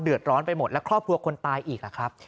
เดือดร้อนไปหมดและครอบครัวคนตายอีกครับ